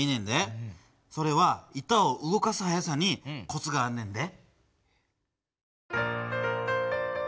それは板を動かす速さにコツがあんねんで。